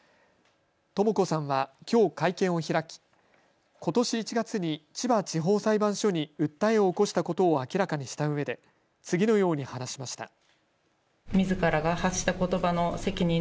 とも子さんはきょう会見を開きことし１月に千葉地方裁判所に訴えを起こしたことを明らかにしたうえで次のように話しました。